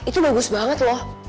itu bagus banget loh